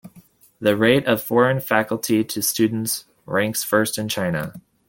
The rate of foreign faculty to students ranks first in China.